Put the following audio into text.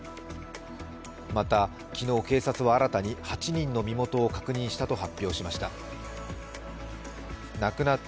また昨日、警察は新たに８人の身元を確認したと発表しました。